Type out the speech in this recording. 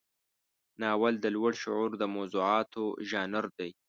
ناول د لوړ شعور د موضوعاتو ژانر دی.